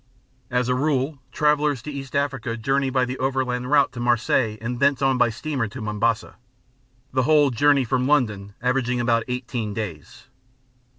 As a rule travellers to East Africa journey by the overland route to Marseilles and thence on by steamer to Mombasa the whole journey from London averaging about eighteen days.